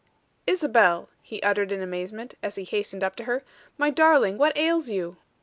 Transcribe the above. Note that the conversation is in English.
"Isabel!" he uttered in amazement, as he hastened up to her. "My darling, what ails you?"